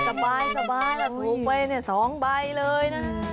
สบายถูกไป๒ใบเลยนะ